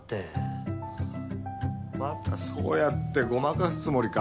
またそうやってごまかすつもりか？